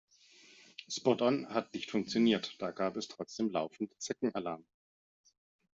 Spot-on hat nicht funktioniert, da gab es trotzdem laufend Zeckenalarm.